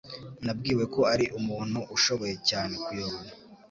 Nabwiwe ko ari umuntu ushoboye cyane (_kuyobora)